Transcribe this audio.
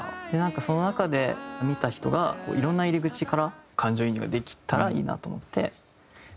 その中で見た人がいろんな入り口から感情移入ができたらいいなと思って構成しました。